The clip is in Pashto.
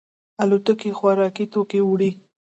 الوتکې خوراکي توکي وړي.